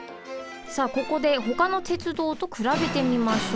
さあここでほかの鉄道とくらべてみましょう。